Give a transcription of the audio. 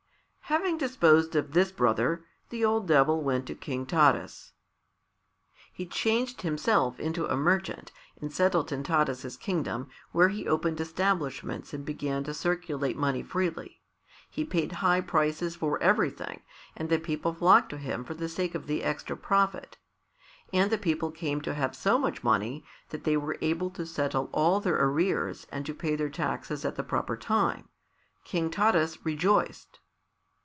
Having disposed of this brother, the old Devil went to King Taras. He changed himself into a merchant and settled in Taras' kingdom, where he opened establishments and began to circulate money freely. He paid high prices for everything, and the people flocked to him for the sake of the extra profit. And the people came to have so much money that they were able to settle all their arrears and to pay their taxes at the proper time. King Taras rejoiced.